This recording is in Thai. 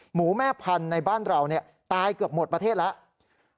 แม่พันธุ์ในบ้านเราตายเกือบหมดประเทศแล้ว